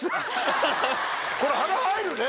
これ鼻入るね。